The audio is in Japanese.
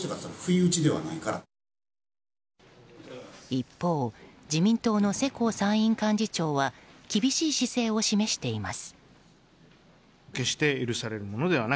一方、自民党の世耕参院幹事長は厳しい姿勢を示しています。